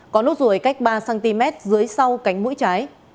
có nốt ruồi cách ba cm dưới sau cánh mũi trái